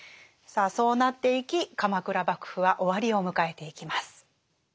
さあそうなっていき鎌倉幕府は終わりを迎えていきます。